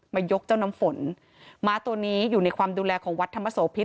ยกเจ้าน้ำฝนม้าตัวนี้อยู่ในความดูแลของวัดธรรมโสพิษ